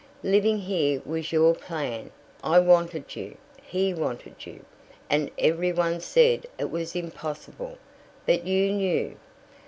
Living here was your plan I wanted you; he wanted you; and every one said it was impossible, but you knew.